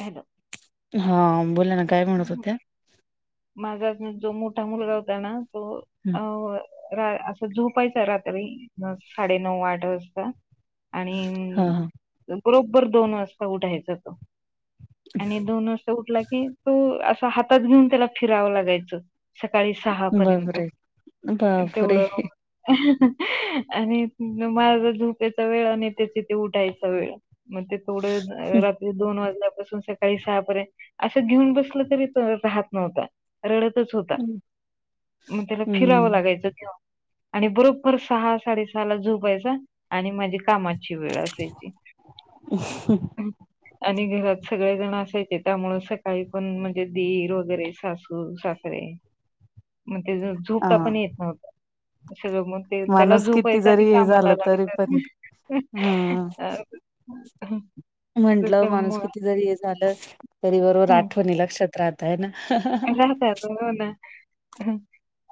Hello. हा बोला ना काय म्हणत होत्या? माझा जो मोठा मुलगा होता ना तो अ असं झोपायचं रात्री साडेनऊ आठ वाजता. हा आणि हा. बरोबर दोन वाजता उठायचा तो. आणि दोन वाजता उठला की तो असा हातात घेऊन त्याला फिरावं लागायचं. सकाळी सहा पर्यंत बापरे! बापरे! तेवढं आणि माझं झोपायचं वेळ आणि त्याची ते उठायचं वेळ मग ते थोडं रात्री दोन वाजल्यापासून सकाळी सहापर्यंत असं घेऊन कसल तरी राहत नव्हता. रडतच होता मग त्याला फिरावं हम्म. लागायचं घेवुन आणि बरोबर सहा साडेसहाला झोपायचा. आणि माझी कामाची वेळ असायची. ह.. आणि घरात सगळे जण असायचे त्यामुळे सकाळी पण म्हणजे दीर वगैरे सासू सासरे मग ते हा झोपता पण येत नव्हता सगळं मग ते त्याला माणूस किती झोपयचं जरी आणि हे झालं कामाला तरी लागायचं पण हम्म. म्हंटलं माणूस त्याच्यामुळं किती जरी हे झालं तरी वरवर आठवणी लक्षात राहताय ना हाहा रडताय हो ना.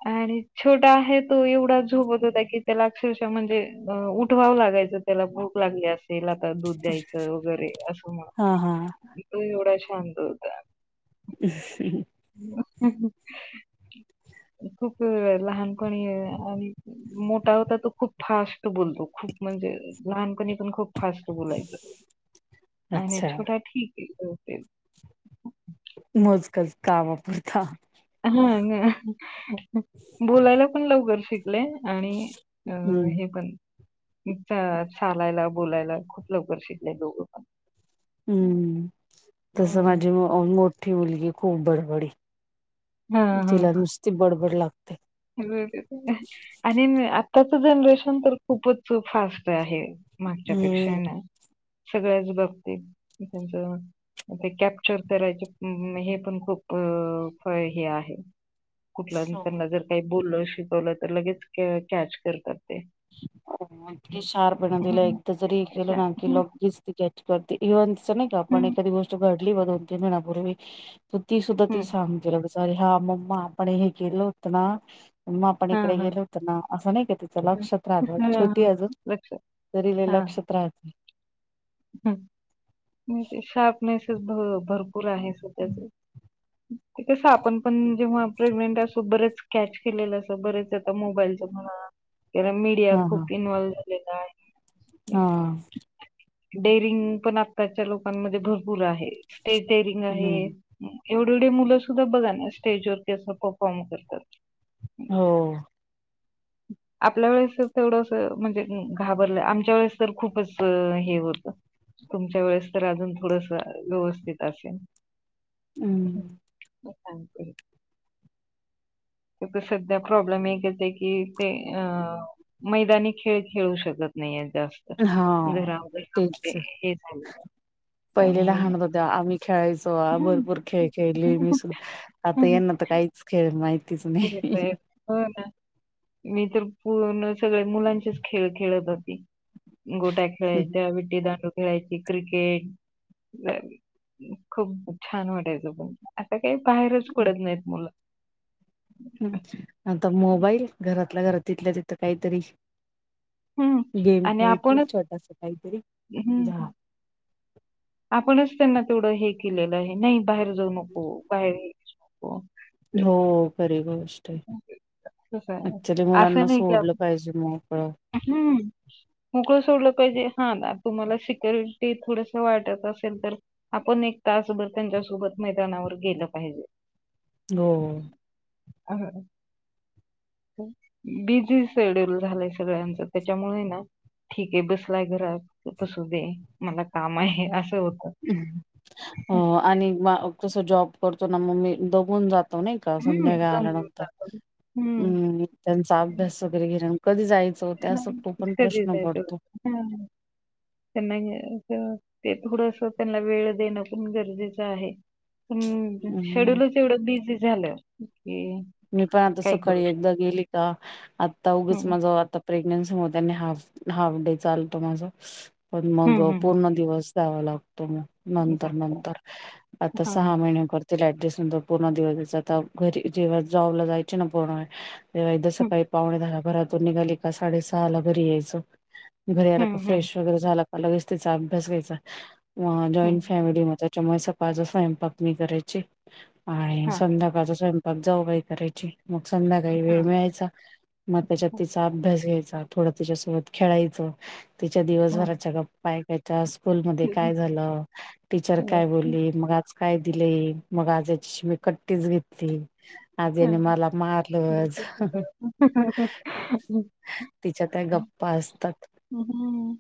आणि छोटा आहे तो एवढा झोपत होता की त्याला अक्षरशः म्हणजे उठवावं लागायचं. त्याला भूक लागली असेल त्याला आता दूध द्यायचं वगैरे असं हा हा. म्हण तो एवढा शांत होता. ह् खूप वेळा लहानपणी आणि मोठा होता तो खूप फास्ट बोलतो, खूप म्हणजे लहानपणी पण खूप फास्ट बोलायचं आणि अच्छा छोटा ठीक आहे. मोजकच कामा पुरता हा बोलायला पण लवकर शिक आपले आणि अ हम्म. हे पण चालायला बोलायला खूप लवकर शिकले दोघं पण हम्म तसं हं. माझी मोठी मुलगी खूप बडबडी हां, हां. तिला नुसती बडबड लागते. आणि आताच जनरेशन तर खूपच फास्ट आहे. मागच्यापेक्षाही हम्म. नाही सगळ्याच बघती त्यांच ते कॅप्चर करायचे हे पण खूप हे आहे. कुठल्या त्यांना जर काही बोलल शिकवलं तर लगेच कॅच करतात ते हो इतकी शार्प येण तीला हं. एकदा जरी हे केलं अच्छा. ना की हं, लेच त कॅच करते. इवन अस नाही का आपण हं, गोष्ट घडली दोन महिन्यापूर्वी तर ती सुद्धा ती हं. सांगते लगेच. सॉरी हा मम्मा आपण हे केल होत ना! मम्मा आपण हां, ईकडे हां. गेलो होतो ना, असं नाही का तिचं हं. लक्षात हां, छोटी हां. अजून लक्षात. तरी लई लक्षात राहत ते शार्पनेसच भरपूर आहे तिच्यात ते कस आपण पण जेव्हा प्रेग्नेंट असो बरेच कॅच केलेलं असं बरेच आता मोबाईलच्या म्हणा कारण मीडिया हा हा खूप इन्व्हल्व झालेला आहे. हा... डेअरिंग पण आत्ताच्या लोकांमध्ये भरपूर आहे, स्टेज डेअरिंग आहे. हम्म एवढी- एवढी मुलं सुद्धा बघा ना, स्टेजवरती असा परफॉर्म करतात. हो.. आपल्या वेळेस कस तेवढं अस म्हणजे घाबरलं, आमच्या वेळेस तर खूपच हे होतं. तुमच्या वेळेस तर अजून थोडसं व्यवस्थित असेन. हम्म [unintelligible] आता सध्या प्रॉब्लेम एकच आहे की ते अ मैदानी खेळ खेळू शकत नाहीयेत जास्त. हा घरा घरामध्ये तेच हे झालेलं आहे पहिले त्यामुळे लहान होतं तेव्हा आम्ही खेळायचो, हं. भरपूर खेळ खेळलीय मी सुद्धा आता येना तर काहीच खेळ माहित तेच आहे, हो ना. मी तर पूर्ण सगळे मुलांचेच खेळ खेळत होती. गोटया खेळायच्या, विटी- दांडू खेळायची क्रिकेट खूप-खूप छान वाटायचं पण. आता काही बाहेरच पडत नाहीत मुलं. ह आता मोबाईल घरातल्या- घरात तिथल्या तिथं काहीतरी हं. गेम खेळतील छोटासा काहीतरी. झा ह... आपणच त्यांना तेवढं हे केलेलं आहे नाही, बाहेर जाऊ नको, बाहेर नको. हो खरी गोष्ट आहे‌. तसं आहे. अक्च्युली मुलांना सोडलं पाहिजे मोकळं. हुं... मोकळं सोडलं पाहिजे हा, ना. तुम्हांला सिक्युरिटी थोडसं वाटंत असेल तर आपण एक तासभर त्यांच्यासोबत मैदानावर गेलं पाहिजे. हो... अ ह बिझी शेड्यूल झालंय सगळ्यांचं त्याच्यामुळे है ना ठीक आहे, बसलाय घरात बसू दे, मला काम आहे असं होतं. हो आणि म कस जॉब करतो ना मग मी दमून जा तो नाही का, हं, संध्याकाळी दमून आल्यानंतर जातो. हं, हूं.. त्यांचा अभ्यास वगैरे घेणं आणि कधी जायचं ते असं तो पण प्रश्न पडतो. होय. त्यांना या त ते थोडसं त्यांना वेळ देणं पण गरजेचं आहे. पण हम्म शेड्यूलच एवढं बिझी झालं की, मी पण आता काय करू सकाळी एकदा गेली का, आता उघच शकतो. माझं आता प्रेग्नन्सी मध्ये नी हाफ, हाफ डे चालतो माझा पण मग हं, हं, हं. पूर्ण दिवस जावा लागतो मग नंतर- झालं. नंतर आता हां. सहा महिने कर तील ऍडजेस्ट नाहीतर पूर्ण दिवस जायचं, घरी जेव्हा जॉबला जायचे ना पूर्ण वेळ तेव्हा एकदा हं, सकाळी पावणे दहाला घरातून निघाली का, साडे सहाला घरी यायचं. घरी आला हं, का, हं, फ्रेश वगैरे झाला का, लगेच तिचा अभ्यास घ्यायचा, हं. जॉईंट फॅमिली मध्ये त्याच्यामुळे सकाळचा स्वयंपाक मी करायचे आणि हां, संध्याकाळचा स्वयंपाक जाऊबाई करायची मग संध्याकाळी वेळ हां, मिळायचा, मग त्याच्यात हं, तिचा अभ्यास घ्यायचा, थोडं तिच्यासोबत खेळायचं, तिच्या हां. दिवसभराच्या गप्पा ऐका च्या आज स्कूलमध्ये काय झालं, टीचर काय हं, बोलली. मग आज काय दिलंय, मग आजाची मी कट्टीच घेतली आज येने मला हं. मारलंच तिच्या त्या गप्पा असतात. हम्म.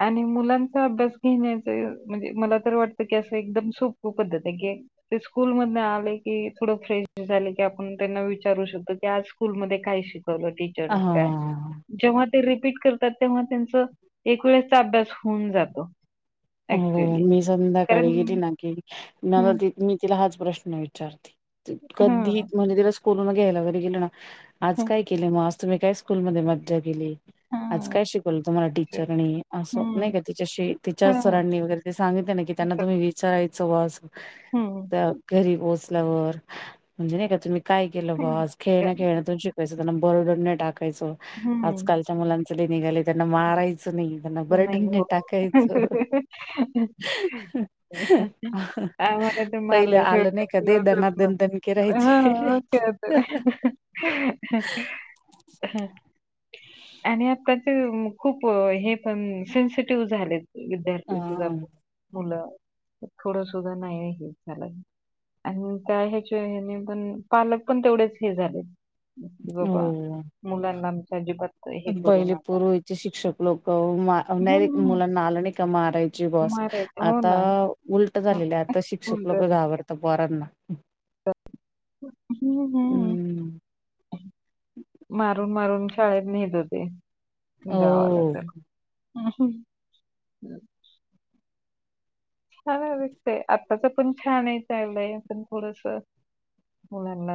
आणि मुलांचा अभ्यास घेण्याचं, म्हणजे मला तर वाटतं की असं एकदम सोप पद्धत आहे की ते स्कूल मधनं आले की, थोडं फ्रेश झाले की आपण त्यांना विचारू शकतो, की आज स्कूलमध्ये काय शिकवलं टीचरने काय, हा जेव्हा ते रिपीट कर तात तेव्हा त्यांचं, एक वेळेसचा अभ्यास होऊन जातो. हो ऍक्च्युली मी कारण संध्याकाळी गेली ना की, मला हं, ती मी तिला हाच प्रश्न विचारते,, कधी हं, म्हणजे तिला स्कूल म घ्यायला वगैरे गेलं ना आज हं, काय केलं मग, आज तुम्ही काय स्कूलमध्ये मज्जा केली? आज हं, काय शिकवल तुम्हाला अच्छा. टीचरनी,,, असं हं, नाही का तिच्याशी, तिच्या सर हं, रांनी वगैरे ते सांगितल ना की त्यांना अच्छा. तुम्ही विचारायचं असं हं, घरी रोज आल्यावर,, म्हणजे नाही का तुम्ही काय केलं हं, बस खेळणं खेळणं तुमची त्यांना बरडन नाही टाकायचं,, हं. आजकालच्या मुलांच लय निघालय त्यांना मारायचं नाही. त्यांना बरडन नाही टाकाय ह ह ह ह आ [unintelligible] आम्हाला ते मारलं शिवाय दन दणके राहायचे [unintelligible] ओके. ह [unintelligible] ह आणि आता ते खूपं हे पण सेन्सिटिव्ह झालेत, विद्यार्थी सुद्धा, हा मुलं थोडं सुद्धा नाही आहे हे चालत. आणि त्या ह्याच्या ह्याने पण पालक पण तेवढेच हे झाले. बाबा,, मुलांना आमच्या अजिबात हे करू पयले नका. पूर्वीचे शिक्षक लोकं, डायरेक्ट हं, मुलांना आलं नाही का मारायची ब्वा असं मारायचं. हो आता ना. उलटं हं, झालेलंय, आता शिक्षक लोकं घाबरतं पोरांना. हं हं‌. हम्म. मारून मारून शाळेत नेत होते. गावाला हो तर छानच दिसतय, आत्ताच पण छानच आलंय पण थोडसं मूलांना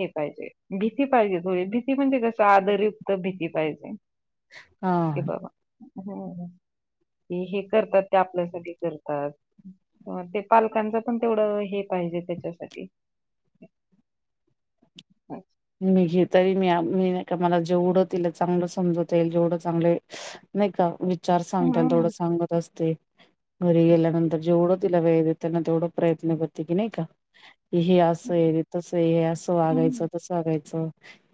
हे पाहिजे,, भीती पाहिजे थोडी भीती म्हणजे कसं आदरयुक्त भीती पाहिजे. हा हे बाबा हम्म,, की हे करतात ते आपल्यासाठी करतात ते पालकांच पण तेवढं हे पाहिजे त्याच्यासाठी. अन मी घे तरी मी मी नाही का, मला जेवढं तिला चांगलं समजता येईल जेवढं चांगले नाही का,, विचार सांगता एईल तेवढं हम्म सांगत असते. घरी गेल्यानंतर जेवढं तिला वेळ देताना तेवढं प्रयत्न करते की नाही का हे असं हम्म आहे रे तसं हे, हे असं वागायचं हम्म तसं वागायचं,,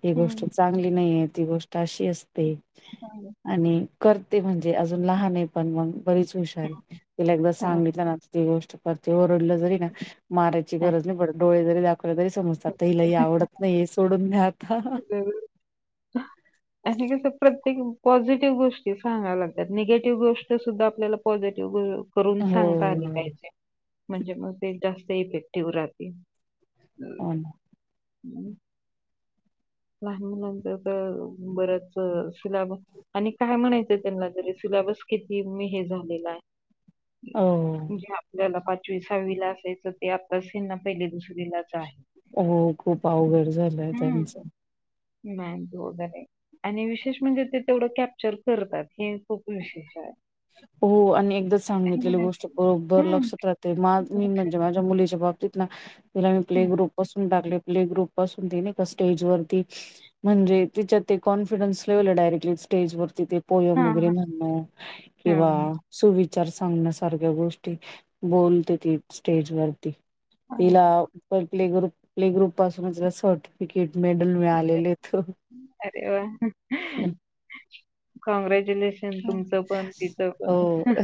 ही गोष्ट हम्म. चांगली नाहीये, ती गोष्ट अशी असते ह [unintelligible] आणि करते म्हणजे, अजून लहान आहे पण मग बरीच हुशारी, तिला एकदा हम्म. सांगितलं ना ती गोष्ट करते,, वरडलं जरी ना, मारायची गरज नाही पडत, डोळे जरी दा ते लय समजतात त हिला हे आवडत नाही सोडून घ्या आता. हं. आणि कस प्रत्येक पॉझिटिव्ह गोष्टी सांगाय लागतात निगेटिव्ह गोष्ट सुद्धा आपल्याला पॉझिटिव्ह करुन करून सांगता आली हो. पाहिजे म्हणजे मग ते जास्त इफेक्टिव राहतील. [inaudible] हम्. लहान मुलांच तर बऱ्याच शिलाब आणि काय म्हणायचं त्यांना तरी सिलाबस किती मी हे झालेलाय. हो जे आपल्याला पाचवी सहावी ला असायचं ते आताच हेंना पहिली दुसरीलाय. हो खूप अवघड झालंय त्यांचं. मॅंक वगैरे आणि विशेष म्हणजे ते तेवढं कॅप्चर करतात हे खूप विशेषय. हो आणि एकदा सांगितलेली गोष्ट बरोबर हम्म. लक्षात राहते, मा मी लक्षात. म्हणजे माझ्या मुलीच्या बाबतीत ना तिला मी प्ले हम्म. ग्रुप पासून टाकलय. प्ले ग्रुप पासून ती नाय का स्टेज वरती म्हणजे तिच्यात ते कॉन्फिडन्स लेवल डायरेक्टली स्टेजवरती ते हा, पोयम वैगरे हा. म्हणणं हा, किंवा हा. सुविचार सांगण्यासारख्या गोष्टी बोलते ती स्टेज वरती. हा. तिला प्ले ग्रुप प्ले ग्रुप पासूनच सर्टि क्रिकेट मेडल मिळालेलेयत. अरे वा कॉंग्रेजुलश शन तुमचं पण तिचं हो पण.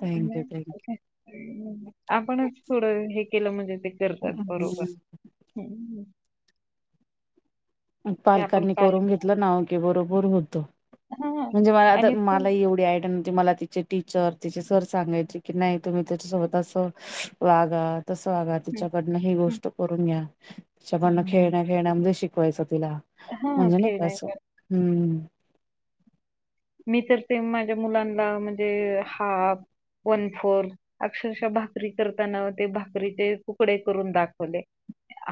Thank you thank you. काय. आपणच थोडं हे केलं म्हणजे ते करतात बरोबर. थँक्यू. हम्. ते आपण पालकांनी काय करून घेतलं ना की बरोबर होतं. हां. म्हणजे मला आता आणि हं, मला एवढी आयड न्हवती मला तिचे टीचर तिचे सर सांगायचे की नाय तुम्ही तीच्यासोबत असं वागा. तस वागा तिच्याकडनं ही हं, गोष्ट करून घ्या तिच्याकडनं हं, हं. खेळण्या खेळण्यामधे शिक वायच तिला हां, म्हणजे खेळ नाही असं का. हम्म. मी तर ते माझ्या मुलांना म्हणजे हाफ वन फोर्थ अक्षरशः भाकरी करताना ते भाकरीचे तुकडे करून दाखवले.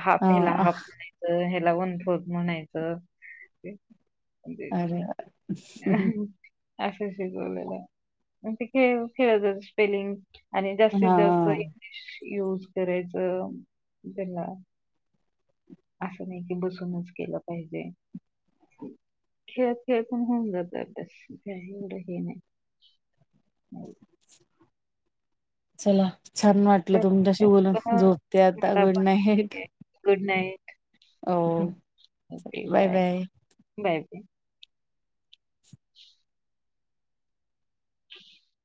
हाफ ह्याला हा हाफ म्हणायचं ह्याला वन फोर्थ म्हणायचं. [inaudible] असं शिकवलय त्यांना पण ते खेळ खेळत च स्पेलिंग आणि जास्तीत जास्त हा इंग्लिश यूज करायचं त्यांना. असं नाही की बसूनच केलं पाहिजे. खेळत खेळत पण होऊन जात तस काहि एवढ हे नाही. चला छान वाटलं तर तुमच्याशी बोलून, झोपते आता मला गुड पण नाईट. Good night. हो चल बाय बाय. बाय.